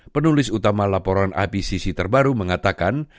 penulis utama laporan ipcc terbaru mengatakan